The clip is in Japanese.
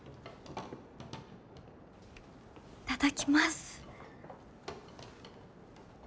いただきます。